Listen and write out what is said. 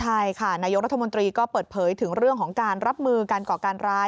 ใช่ค่ะนายกรัฐมนตรีก็เปิดเผยถึงเรื่องของการรับมือการก่อการร้าย